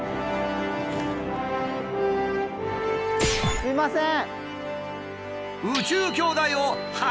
すいません。